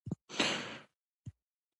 ذهن له نوې تجربې وده کوي.